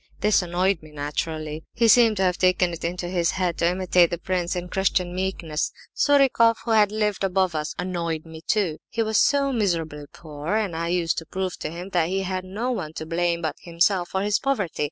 This annoyed me, naturally. He seemed to have taken it into his head to imitate the prince in Christian meekness! Surikoff, who lived above us, annoyed me, too. He was so miserably poor, and I used to prove to him that he had no one to blame but himself for his poverty.